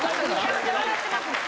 めちゃめちゃ笑ってますもん。